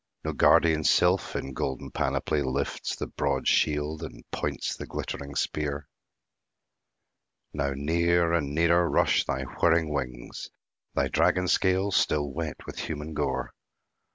No guardian sylph, in golden panoply, Lifts the broad shield, and points the glittering spear. Now near and nearer rush thy whirring wings, Thy dragon scales still wet with human gore.